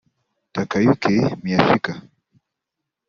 Takayuki Miyashika